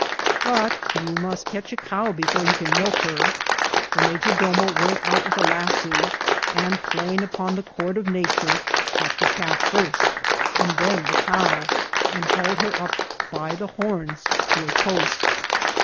But you must catch a cow before you can milk her. The major domo went out with a laao, and, playing upon the chord of nature, caught the calf first, and then the cow, and hauled her up by the horns to a post.